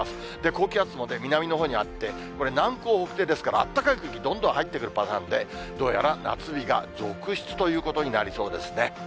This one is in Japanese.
高気圧も南のほうにあって、これ、南高北低ですから、あったかい空気、どんどん入ってくるパターンで、どうやら夏日が続出ということになりそうですね。